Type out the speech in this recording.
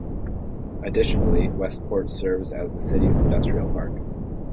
Additionally, Westpoort serves as the city's industrial park.